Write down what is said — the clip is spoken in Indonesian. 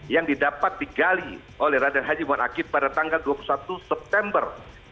yang didapat digali oleh raden haji muhammad akib pada tanggal dua puluh satu september